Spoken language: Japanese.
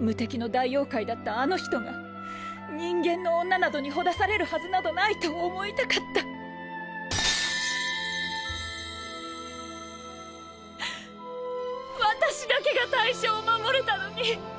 無敵の大妖怪だったあの人が人間の女などにほだされるはずなどないと思いたかった私だけが大将を護れたのに。